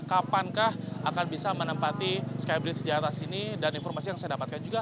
kapan kah akan bisa menempati sky bridge di atas sini dan informasi yang saya dapatkan juga